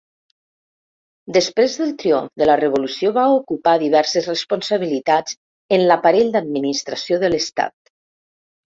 Després del triomf de la Revolució va ocupar diverses responsabilitats en l'aparell d'administració de l'Estat.